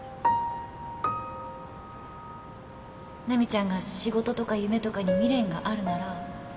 奈未ちゃんが仕事とか夢とかに未練があるなら